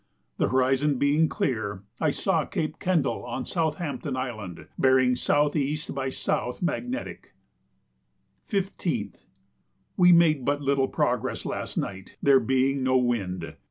The horizon being clear, I saw Cape Kendall on Southampton Island, bearing S.E. by S. magnetic. 15th. We made but little progress last night, there being no wind.